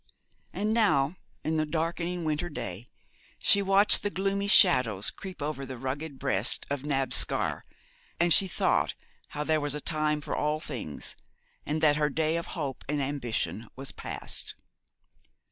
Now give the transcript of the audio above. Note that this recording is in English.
And now, in the darkening winter day, she watched the gloomy shadows creep over the rugged breast of Nabb Scar, and she thought how there was a time for all things, and that her day of hope and ambition was past.